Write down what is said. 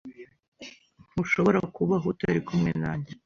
Ntushobora kubaho utari kumwe nanjye